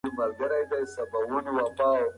پلار د خپلو بچیانو لپاره حلاله روزي پیدا کوي.